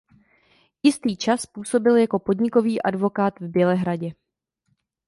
Jistá čas působil jako podnikový advokát v Bělehradě.